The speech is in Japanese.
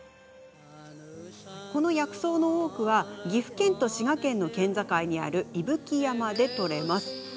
この薬草の多くは岐阜県と滋賀県の県境にある伊吹山で採れます。